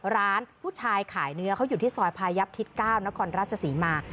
ร้านผู้ชายขายเนื้อเขาอยู่ที่ซอยพายับทิศ๙นครราชศรีมา